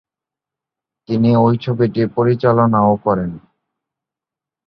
তিনি ঐ ছবিটি পরিচালনাও করেন।